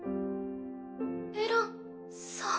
エランさん？